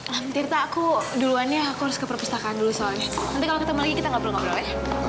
alhamdulillah tante aku duluan ya aku harus ke perpustakaan dulu soalnya nanti kalau ketemu lagi kita gak perlu ngobrol ya